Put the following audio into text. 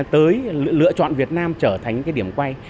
tới lựa chọn việt nam trở thành điểm quay